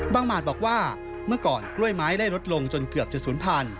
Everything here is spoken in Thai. บางมาตรบอกว่าเมื่อก่อนกล้วยไม้ได้ลดลงจนเกือบจะ๐๐๐๐